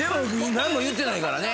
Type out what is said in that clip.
何も言ってないからね